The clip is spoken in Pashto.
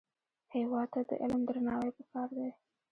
هېواد ته د علم درناوی پکار دی